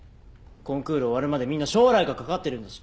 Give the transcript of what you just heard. コンクール終わるまでみんな将来がかかってるんだし。